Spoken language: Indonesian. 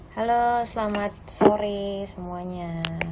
halo selamat sore semuanya